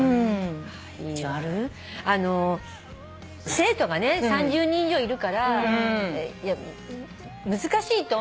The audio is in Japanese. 生徒がね３０人以上いるから難しいと思うの。